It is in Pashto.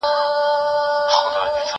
زه به موبایل کار کړی وي؟